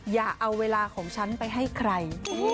อย่าเอาเวลาของฉันไปให้ใคร